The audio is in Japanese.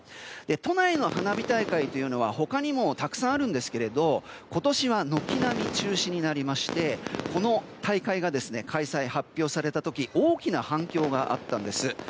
都内の花火大会は他にもたくさんあるんですが今年は軒並み中止になりましてこの大会が、開催発表された時大きな反響があったんです。